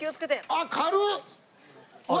あっ軽っ！